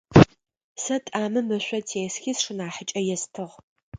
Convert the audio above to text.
Сэ тӏамым ышъо тесхи, сшынахьыкӀэ естыгъ.